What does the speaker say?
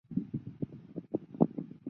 内乌人口变化图示